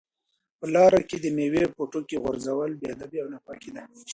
په لاره کې د مېوې د پوټکو غورځول بې ادبي او ناپاکي ده.